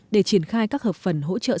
để triển khai các hợp phần hỗ trợ sản